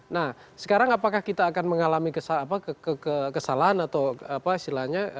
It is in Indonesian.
nah sekarang apakah kita akan mengalami kesalahan atau apa istilahnya